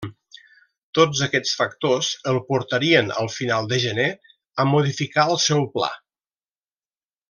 Tots aquests factors el portarien, al final de gener, a modificar el seu pla.